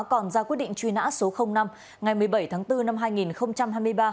còn ra quyết định truy nã số năm ngày một mươi bảy tháng bốn năm hai nghìn hai mươi ba